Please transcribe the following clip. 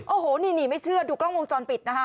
โอ้โหนี่ไม่เชื่อดูกล้องวงจรปิดนะคะ